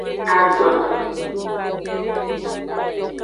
Agban.